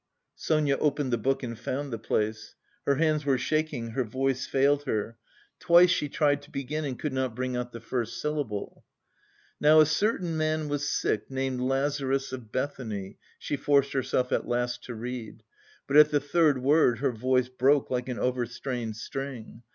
Sonia opened the book and found the place. Her hands were shaking, her voice failed her. Twice she tried to begin and could not bring out the first syllable. "Now a certain man was sick named Lazarus of Bethany..." she forced herself at last to read, but at the third word her voice broke like an overstrained string.